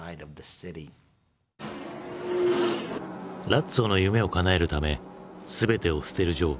ラッツォの夢をかなえるため全てを捨てるジョー。